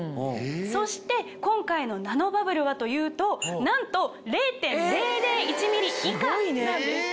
そして今回のナノバブルはというとなんと０．００１ｍｍ以下なんです。